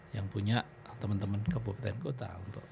yang punya teman teman kabupaten kota